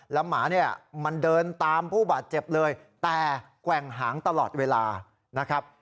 แล้วหมาเนี่ยมันเดินตามผู้บาดเจ็บเลยแต่แกว่งหางตลอดเวลานะครับ